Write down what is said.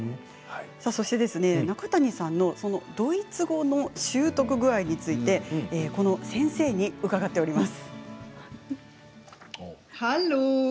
中谷さんのドイツ語の習得具合について先生に伺っております。